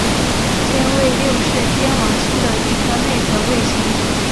天卫六是天王星的一颗内层卫星。